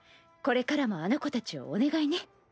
これからもあの子たちをお願いね。